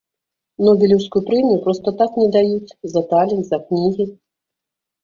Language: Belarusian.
Нобелеўскую прэмію проста так не даюць за талент, за кнігі.